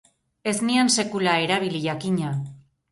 Ez nian sekula erabili, jakina.